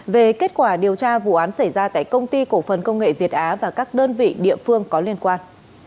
về kết quả điều tra vụ án xảy ra tại công ty cổ phần công nghệ việt á và các đơn vị địa phương có liên quan